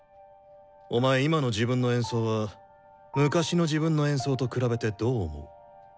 お前今の自分の演奏は昔の自分の演奏と比べてどう思う？